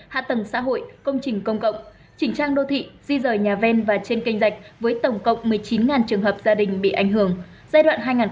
hạ tầng xã hội công trình công cộng chỉnh trang đô thị di rời nhà ven và trên kênh dạch với tổng cộng một mươi chín trường hợp gia đình bị ảnh hưởng